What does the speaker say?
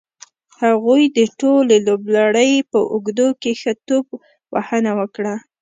هغوی د ټولې لوبلړۍ په اوږدو کې ښه توپ وهنه وکړه.